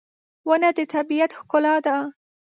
• ونه د طبیعت ښکلا ده.